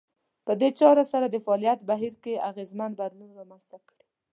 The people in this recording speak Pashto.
په دې چارې سره د فعاليت بهير کې اغېزمن بدلون رامنځته کړي.